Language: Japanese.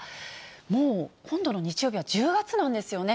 もう今度の日曜日は１０月なんですよね。